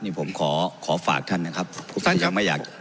นี่ผมขอขอฝากท่านนะครับทุกท่านยังไม่อยาก